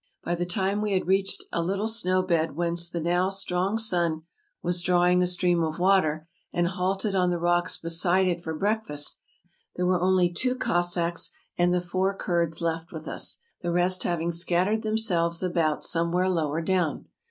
By the time we had reached a little snow bed whence the now strong sun was drawing a stream of water, and halted on the rocks beside it for breakfast, there were only two Cos sacks and the four Kurds left with us, the rest having scat tered themselves about somewhere lower down.